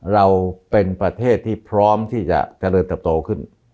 เราเป็นประเทศที่พร้อมที่จะเจริญเติบโตขึ้น